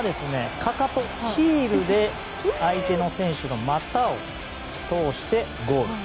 ヒールで相手の選手の股を通してゴール。